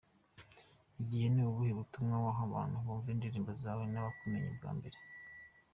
Igihe : Ni ubuhe butumwa waha abantu bumva indirimbo zawe n’abakumenye bwa mbere ?.